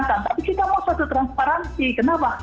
tapi kita mau suatu transparansi kenapa